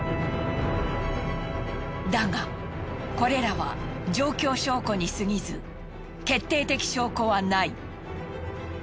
だがこれらは状況証拠にすぎず決定的証拠はない。